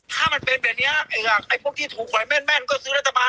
ถ้ามันเป็นแบบนี้ไอ้พวกที่ถูกหอยแม่นก็ซื้อรัฐบาล